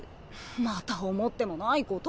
また思ってもないことを。